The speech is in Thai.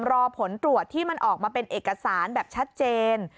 รอผลตรวจที่มันออกมาเป็นเอกสารแบบชัดเจน